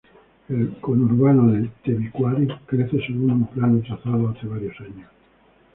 El conurbano de Tebicuary crece según un plano trazado hace varios años.